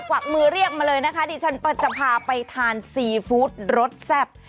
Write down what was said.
วักมือเรียกมาเลยนะคะดิฉันจะพาไปทานซีฟู้ดรสแซ่บ